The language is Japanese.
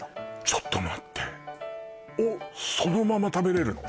ちょっと待ってをそのまま食べれるの？